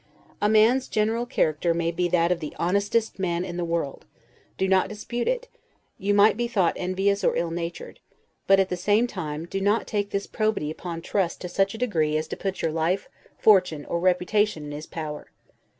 A man's general character may be that of the honestest man of the world: do not dispute it; you might be thought envious or ill natured; but, at the same time, do not take this probity upon trust to such a degree as to put your life, fortune, or reputation in his power.